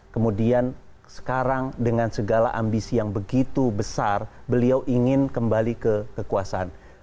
kemudian sekarang dengan segala ambisi yang begitu besar beliau ingin kembali ke kekuasaan